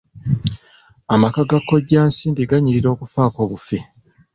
Amaka ga kkoja Nsimbi ganyirira okufaako obufi.